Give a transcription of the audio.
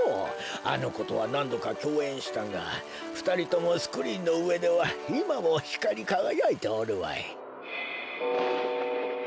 あのことはなんどかきょうえんしたがふたりともスクリーンのうえではいまもひかりかがやいておるわい。